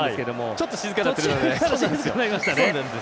ちょっと静かになってますね。